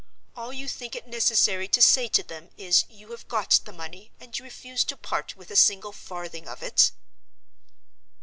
All you think it necessary to say to them is, you have got the money, and you refuse to part with a single farthing of it?"